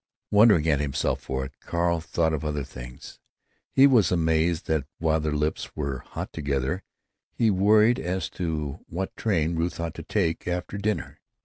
Wondering at himself for it, Carl thought of other things. He was amazed that, while their lips were hot together, he worried as to what train Ruth ought to take, after dinner.